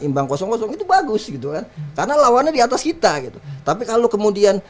imbang kosong itu bagus gitu kan karena lawannya di atas kita gitu tapi kalau kemudian